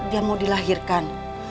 dia mau dilahirkan